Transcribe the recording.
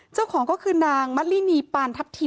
เจ้าของก็คือนางมะลินีปานทัพทิม